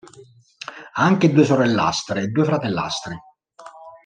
Ha anche due sorellastre e due fratellastri.